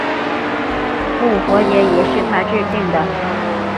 复活节也是他制定的。